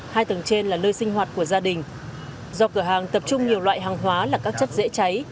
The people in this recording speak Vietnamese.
hai tầng trên là nơi sinh hoạt của gia đình do cửa hàng tập trung nhiều loại hàng hóa là các chất dễ cháy